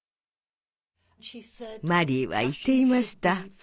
マリーは言っていました。